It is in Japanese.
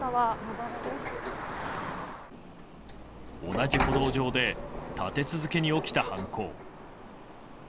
同じ歩道上で立て続けに起きた犯行。